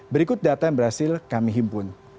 berikut data yang berhasil kami himpun